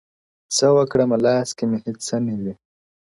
• څه وکړمه لاس کي مي هيڅ څه نه وي ـ